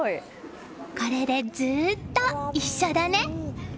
これで、ずっと一緒だね！